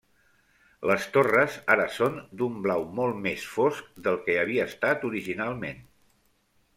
Les torres ara són d'un blau molt més fosc del que havia estat originalment.